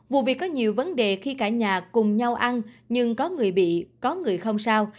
vụ việc có nhiều vấn đề khi cả nhà cùng nhau ăn nhưng có người bị có người không sao